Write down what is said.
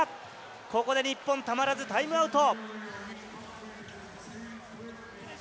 ここで日本、たまらずタイムアウト。